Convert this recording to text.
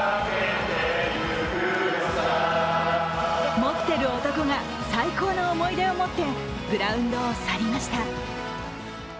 持ってる男が最高の思い出を持ってグラウンドを去りました。